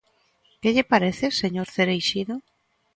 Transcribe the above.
¿Que lle parece, señor Cereixido?